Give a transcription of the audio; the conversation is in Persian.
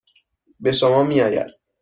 به شما میآید.